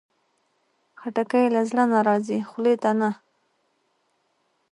خټکی له زړه نه راځي، خولې ته نه.